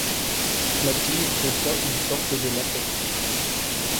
La tige contient une sorte de latex.